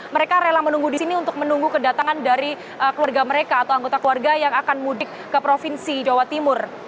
mereka rela menunggu di sini untuk menunggu kedatangan dari keluarga mereka atau anggota keluarga yang akan mudik ke provinsi jawa timur